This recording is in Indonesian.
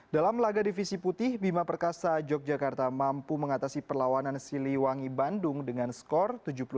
dalam laga divisi putih bima perkasa yogyakarta mampu mengatasi perlawanan siliwangi bandung dengan skor tujuh puluh dua